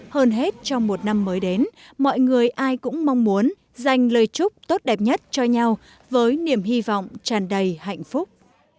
hơn hết trong một năm mới đến mọi người ai cũng mong muốn dành lời chúc tốt đẹp nhất cho nhau với niềm hy vọng tràn đầy hạnh phúc